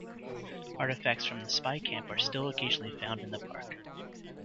Artifacts from the spy camp are still occasionally found in the park.